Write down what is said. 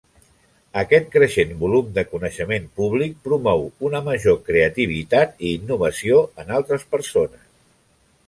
Aquest creixent volum de coneixement públic promou una major creativitat i innovació en altres persones.